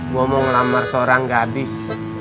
gue mau ngelamar seorang gadis